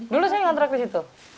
dulu saya ngontrak ke situ